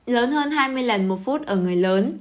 lớn hơn hai mươi lần một phút ở người lớn